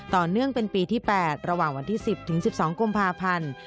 ต่อเนื่องเป็นปีที่๘ระหว่างวันที่๑๐๑๒กุมภาพันธ์